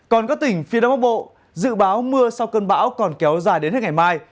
còn các tỉnh phía đông bắc bộ dự báo mưa sau cơn bão còn kéo dài đến hết ngày mai